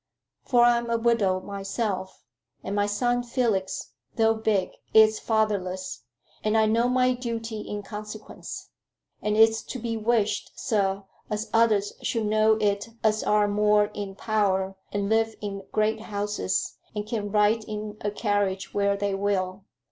For I'm a widow myself, and my son Felix, though big, is fatherless, and I know my duty in consequence. And it's to be wished, sir, as others should know it as are more in power and live in great houses, and can ride in a carriage where they will.